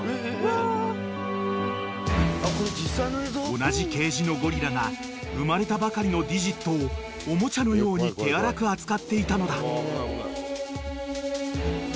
［同じケージのゴリラが生まれたばかりのディジットをおもちゃのように手荒く扱っていたのだ］